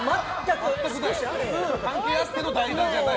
関係あっての代打じゃない？